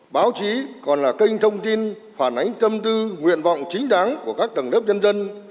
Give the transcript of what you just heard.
báo chí còn là kênh thông tin phản ánh tâm tư nguyện vọng chính đáng của các tầng lớp nhân dân